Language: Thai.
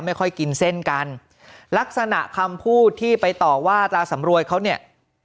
ไม่ค่อยกินเส้นกันลักษณะคำพูดที่ไปต่อว่าตาสำรวยเขาเนี่ย